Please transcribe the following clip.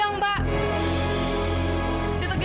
ayolah mbak mau anak raya lagi